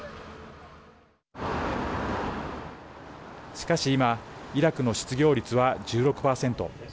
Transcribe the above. しかし今イラクの失業率は１６％。